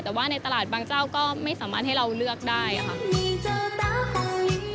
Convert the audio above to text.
แต่ว่าในตลาดบางเจ้าก็ไม่สามารถให้เราเลือกได้ค่ะ